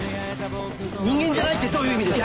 人間じゃないってどういう意味ですか？